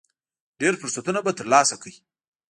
ډېر فرصتونه به ترلاسه کړئ .